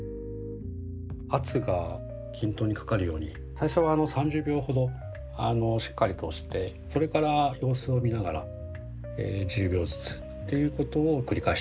圧が均等にかかるように最初は３０秒ほどしっかりと押してそれから様子を見ながら１０秒ずつっていうことを繰り返していきます。